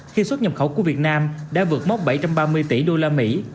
khi xuất nhập khẩu của việt nam đã vượt mốc bảy trăm ba mươi tỷ đô la mỹ